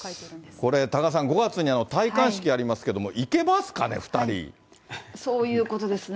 これ多賀さん、５月に戴冠式ありますけれども、行けますかね、そういうことですね。